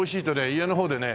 家の方でね